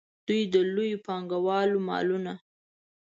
دوی د لویو پانګوالو مالونه.